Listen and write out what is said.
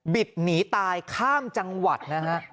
หนีตายข้ามจังหวัดนะฮะ